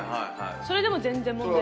それでも全然問題ない？